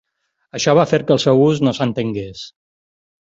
Això va fer que el seu ús no s'estengués.